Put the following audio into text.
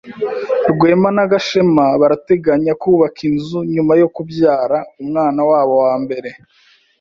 Rwema na Gashema barateganya kubaka inzu nyuma yo kubyara umwana wabo wa mbere.